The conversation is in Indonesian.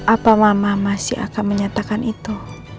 apa mama masih akan menyatakan itu